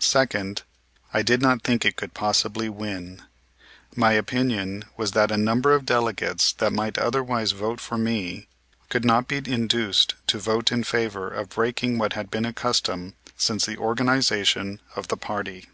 Second, I did not think it could possibly win. My opinion was that a number of delegates that might otherwise vote for me could not be induced to vote in favor of breaking what had been a custom since the organization of the party.